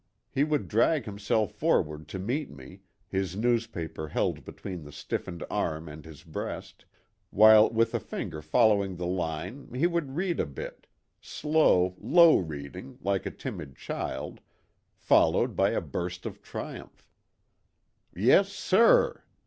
He would drag himself forward to meet me, his newspaper held between the stiffened arm and his breast, while with a finger following the line he would read a bit slow, low reading like a timid child followed by a burst of triumph: " Yes, sir